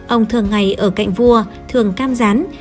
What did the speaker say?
ông thường ngày ở cạnh vua thường cam rán